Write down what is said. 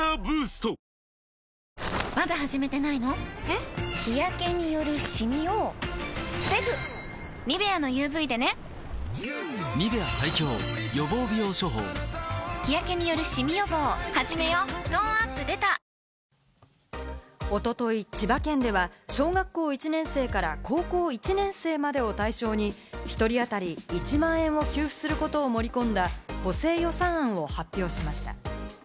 トーンアップ出た一昨日、千葉県では小学校１年生から高校１年生までを対象に１人当たり１万円を給付することを盛り込んだ補正予算案を発表しました。